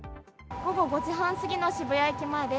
午後５時半過ぎの渋谷駅前です。